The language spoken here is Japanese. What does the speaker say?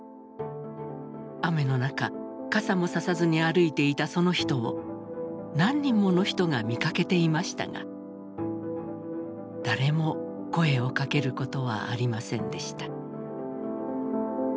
雨の中傘も差さずに歩いていたその人を何人もの人が見かけていましたが誰も声をかけることはありませんでした。